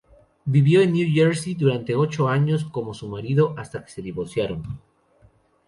Vivió en New Jersey durante ocho años con su marido hasta que se divorciaron.